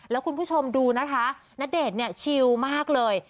แล้วคุณผู้ชมดูนะคะณเดชน์เนี่ยชิลมากเลย